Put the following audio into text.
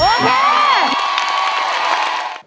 โอเค